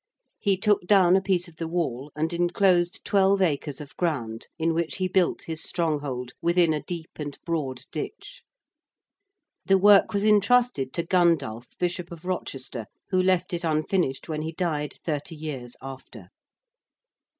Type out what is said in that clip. He took down a piece of the wall and enclosed twelve acres of ground, in which he built his stronghold, within a deep and broad ditch. The work was entrusted to Gundulph, Bishop of Rochester, who left it unfinished when he died thirty years after.